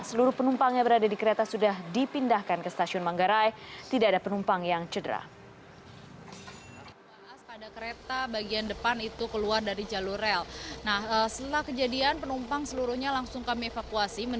seluruh penumpang yang berada di kereta sudah dipindahkan ke stasiun manggarai